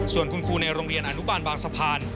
ส่วนคุณครูในโรงเรียนอนุบาลบางสะพาน